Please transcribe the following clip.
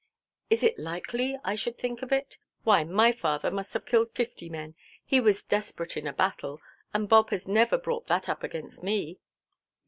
"Is it likely I should think of it? Why, my father must have killed fifty men. He was desperate in a battle. And Bob has never brought that up against me."